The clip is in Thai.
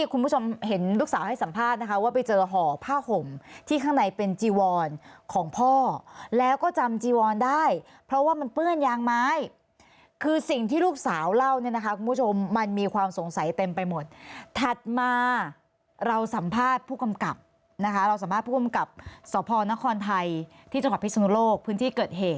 คุณผู้ชมเห็นลูกสาวให้สัมภาษณ์นะคะว่าไปเจอห่อผ้าห่มที่ข้างในเป็นจีวอนของพ่อแล้วก็จำจีวอนได้เพราะว่ามันเปื้อนยางไม้คือสิ่งที่ลูกสาวเล่าเนี่ยนะคะคุณผู้ชมมันมีความสงสัยเต็มไปหมดถัดมาเราสัมภาษณ์ผู้กำกับนะคะเราสัมภาษณ์ผู้กำกับสพนครไทยที่จังหวัดพิศนุโลกพื้นที่เกิดเหตุ